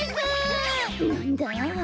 なんだ？